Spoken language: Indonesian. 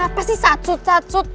apa sih satsut satsut